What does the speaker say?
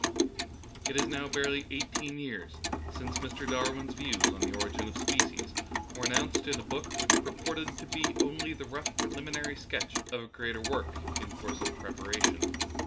It is now barely eighteen years since Mr. Dar win's views on the origin of species were an nounced in a book which purported to be only the rough preliminary sketch of a greater work in course of preparation.